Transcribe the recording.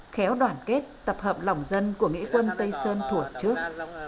khéo đoàn kết tập hợp lòng dân của nghĩa quân tây sơn thuộc trước